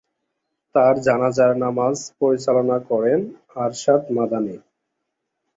তাঁর জানাজার নামাজ পরিচালনা করেন আরশাদ মাদানী।